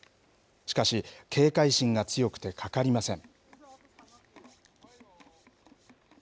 しかし、警戒心が強くて、かかりません。